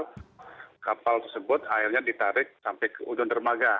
jadi kapal tersebut akhirnya ditarik sampai ke ujung dermaga